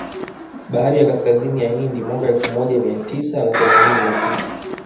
Bahari ya Kaskazini ya Hindi mwaka elfu moja mia tisa na themanini na tisa